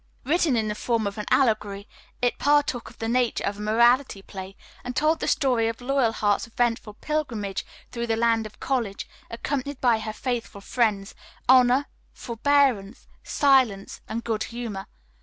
Written in the form of an allegory, it partook of the nature of a morality play and told the story of Loyalheart's eventful pilgrimage through the Land of College, accompanied by her faithful friends, Honor, Forbearance, Silence and Good Humor.